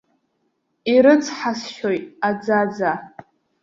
Ирыцҳасшьоит аӡаӡа.